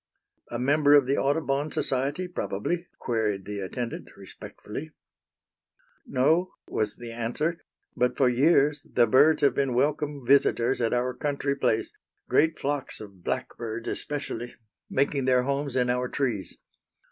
"A member of the Audubon Society, probably," queried the attendant, respectfully. "No," was the answer, "but for years the birds have been welcome visitors at our country place, great flocks of blackbirds, especially, making their homes in our trees.